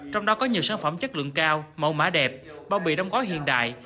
trong đó có nhiều sản phẩm chất lượng cao mẫu mã đẹp bao bị đông gói hiện đại